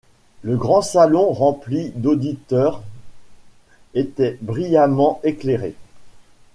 Le grand salon rempli d’auditeurs, était brillamment éclairé.